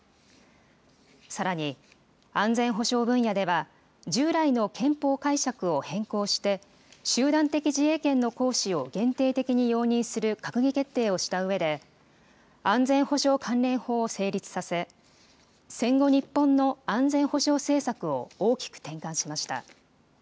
さらに、安全保障分野では、従来の憲法解釈を変更して、集団的自衛権の行使を限定的に容認する閣議決定をしたうえで、安全保障関連法を成立させ、戦後日本の安全保障政策を大きく転換しました。